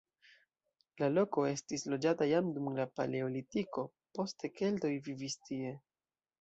La loko estis loĝata jam dum la paleolitiko, poste keltoj vivis tie.